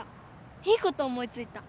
いいこと思いついた。